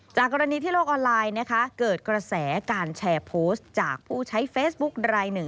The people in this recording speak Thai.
กรณีที่โลกออนไลน์นะคะเกิดกระแสการแชร์โพสต์จากผู้ใช้เฟซบุ๊กรายหนึ่ง